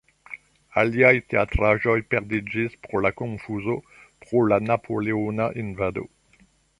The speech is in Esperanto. Aliaj teatraĵoj perdiĝis pro la konfuzo pro la napoleona invado.